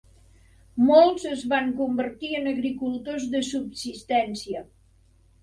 Molts es van convertir en agricultors de subsistència.